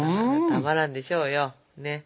たまらんでしょうよねっ。